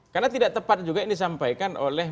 karena tidak tepat juga yang disampaikan oleh